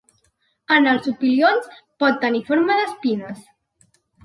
En els opilions, pot tenir forma d'espines.